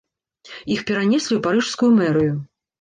Іх перанеслі ў парыжскую мэрыю.